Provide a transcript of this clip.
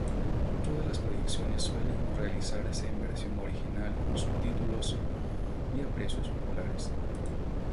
Todas las proyecciones suelen realizarse en versión original con subtítulos y a precios populares.